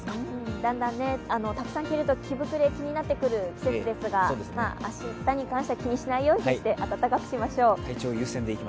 だんだんたくさん着ると着ぶくれが気になってくる季節ですが気にしないようにして温かくしましょう。